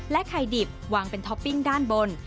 ไข่ดิบวางเป็นท็อปปิ้งด้านบน